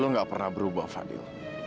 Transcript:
lo gak pernah berubah fadil